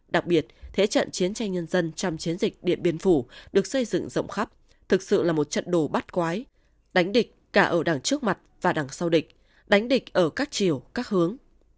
đặc biệt thế trận chiến tranh nhân dân trong chiến dịch điện biên phủ được xây dựng rộng khắp thực sự là một trận đồ bắt quái đánh địch cả ở đảng trước mặt và đằng sau địch đánh địch ở các chiều các hướng